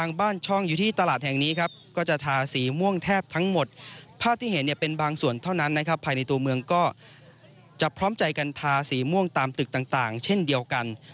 ในตัวเมืองก็จะพร้อมใจการทาร์สีม่วงตามตึกต่างเช่นเดียวกัน